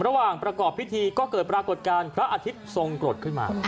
ระหว่างประกอบพิธีก็เกิดปรากฏการณ์พระอาทิตย์ทรงกรดขึ้นมา